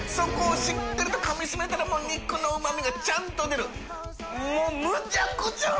しっかりとかみしめたらもう里Δ淕ちゃんと出る。